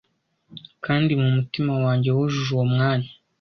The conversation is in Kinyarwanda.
Kandi mumutima wanjye wujuje uwo mwanya.